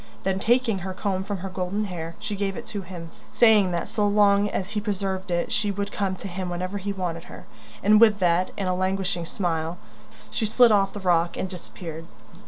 Then, taking her comb from her golden hair, she gave it to him, saying that so long as he preserved it she would come to him whenever he wanted her; and with that, and a languishing smile, she slid off the rock and disappeared.